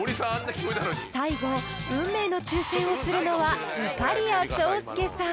［最後運命の抽選をするのはいかりや長介さん］